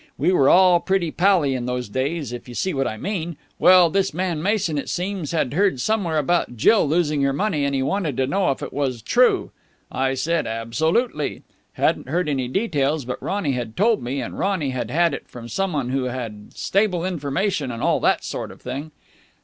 We were all pretty pally in those days, if you see what I mean. Well, this man Mason, it seems, had heard somewhere about Jill losing her money, and he wanted to know if it was true. I said absolutely. Hadn't heard any details, but Ronny had told me, and Ronny had had it from some one who had stable information and all that sort of thing.